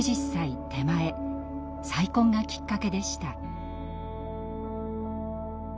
再婚がきっかけでした。